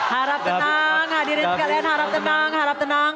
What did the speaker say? harap tenang hadirin sekalian harap tenang harap tenang